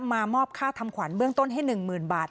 มามอบค่าทำขวัญเบื้องต้นให้๑๐๐๐บาท